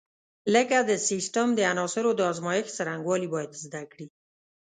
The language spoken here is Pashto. لکه د سیسټم د عناصرو د ازمېښت څرنګوالي باید زده کړي.